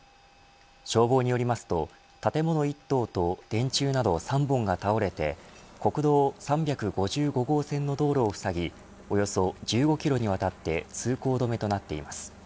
消防によりますと、建物１棟と電柱など３本が倒れて国道３５５号線の道路をふさぎ、およそ１５キロにわたって通行止めとなっています。